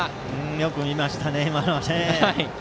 よく見ましたね、今のは。